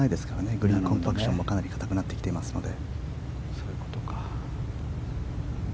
グリーンコンパクションもかなり硬くなってきていますので。